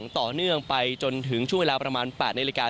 ต่อเนื่องไปจนถึงช่วงเวลาประมาณ๘นาฬิกา